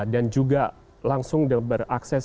dan juga langsung berakses